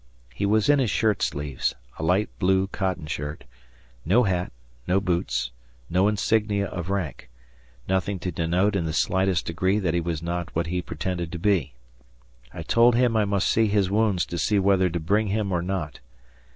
He was in his shirtsleeves a light blue cotton shirt no hat no boots no insignia of rank; nothing to denote in the slightest degree that he was not what he pretended to be. I told him I must see his wounds to see whether to bring him or not.